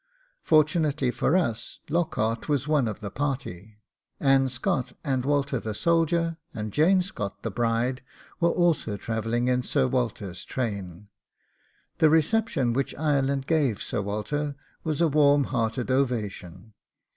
Fortunately for us, Lockhart was one of the party. Anne Scott, and Walter the soldier, and Jane Scott the bride, were also travelling in Sir Walter's train. The reception which Ireland gave Sir Walter was a warm hearted ovation.